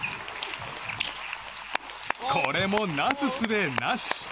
これも、なすすべなし。